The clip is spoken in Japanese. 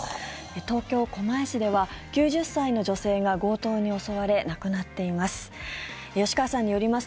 東京・狛江市では９０歳の女性が強盗に襲われ亡くなっています。